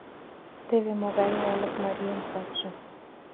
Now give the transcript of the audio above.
Теве могае олык марийын садше.